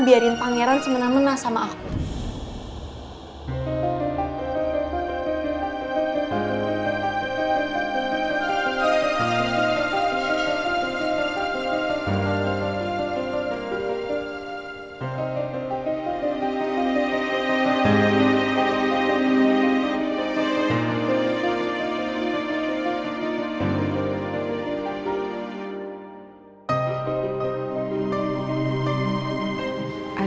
biarin pangeran semena mena sama aku